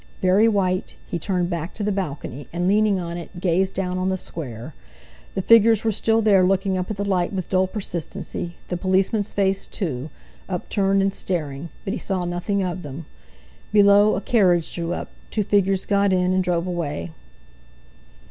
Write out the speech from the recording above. Very white, he turned back to the balcony, and leaning on it, gazed down on the Square; the figures were still there looking up at the light with dull persistency, the policeman's face, too, upturned, and staring, but he saw nothing of them. Below, a carriage drew up, two figures got in, and drove away....